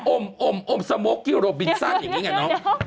โอมโอมโอมสโมกิโรบินซ่าอย่างนี้ไงน้อง